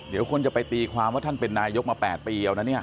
เดี๋ยวคนจะไปตีความว่าท่านเป็นนายกมา๘ปีเอานะเนี่ย